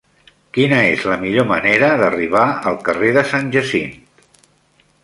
Quina és la millor manera d'arribar al carrer de Sant Jacint?